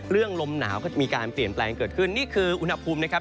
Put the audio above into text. ลมหนาวก็มีการเปลี่ยนแปลงเกิดขึ้นนี่คืออุณหภูมินะครับ